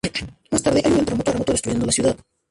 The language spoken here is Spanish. Más tarde, hay un gran terremoto destruyendo la ciudad.